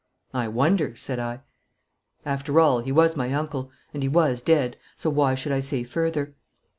'I wonder,' said I. After all, he was my uncle, and he was dead, so why should I say further?